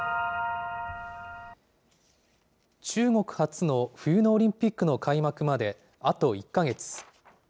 中国初の冬のオリンピックの開幕まであと１か月。